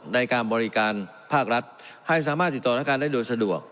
ในการบริการภาครัฐให้สามารถติดต่อธนาคารได้โดยสะดวก